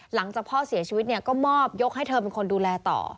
หลังจากพ่อเสียชีวิตเนี่ยก็มอบยกให้เธอเป็นคนดูแลต่อ